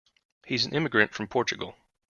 He's an immigrant from Portugal.